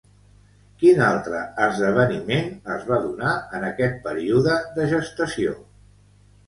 Quin altre esdeveniment es va donar en aquest període de gestació?